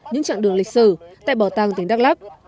những trạng đường lịch sử tại bỏ tàng tỉnh đắk lắk